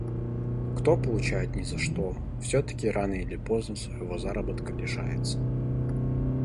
кто получает ни за что, все-таки рано или поздно своего заработка лишатся.